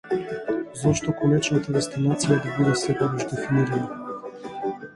Зошто конечната дестинација да биде секогаш дефинирана?